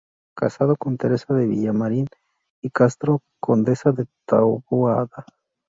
Casado con Teresa de Villamarín y Castro, condesa de Taboada.